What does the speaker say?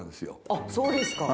あっそうですか。